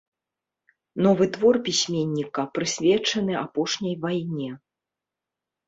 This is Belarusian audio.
Новы твор пісьменніка прысвечаны апошняй вайне.